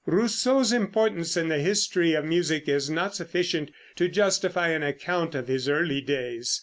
Rousseau's importance in the history of music is not sufficient to justify an account of his early days.